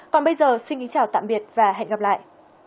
còn bây giờ xin kính chào tạm biệt và hẹn gặp lại